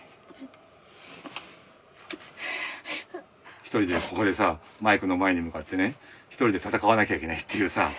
ひとりでここでさマイクの前にむかってねひとりでたたかわなきゃいけないっていうさ